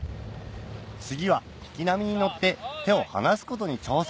次は引き波に乗って手を離すことに挑戦